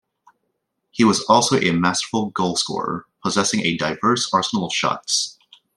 He was also a masterful goal scorer, possessing a diverse arsenal of shots.